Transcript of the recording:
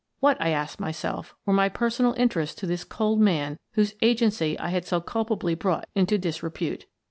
What, I asked my self, were my personal interests to this cold man whose agency I had so culpably brought into dis repute?